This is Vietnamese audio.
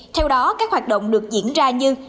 theo đó các hoạt động được diễn ra như